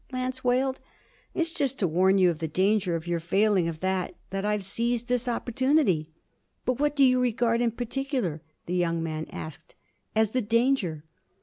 Lance wailed. 'It's just to warn you of the danger of your failing of that that I've seized this opportunity.' 'And what do you regard in particular,' the young man asked, 'as the danger?'